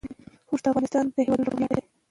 اوښ د افغانستان د هیوادوالو لپاره ویاړ دی.